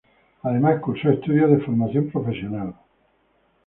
Además cursó estudios de Formación Profesional.